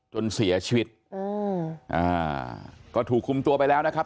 จนเสียชีวิตอืมอ่าก็ถูกคุมตัวไปแล้วนะครับ